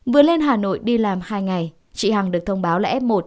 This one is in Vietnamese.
vừa lên hà nội đi làm hai ngày chị hằng được thông báo là f một